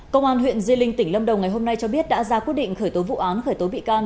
công an huyện di linh tỉnh lâm đồng ngày hôm nay cho biết đã ra quyết định khởi tố vụ án khởi tố bị can